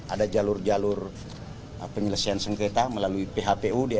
ada jalur jalur penyelesaian sengketa melalui phpu